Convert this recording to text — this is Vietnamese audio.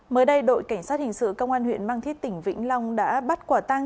mới đây đội cảnh sát hình sự công an huyện mang thít tỉnh vĩnh long đã bắt quả tăng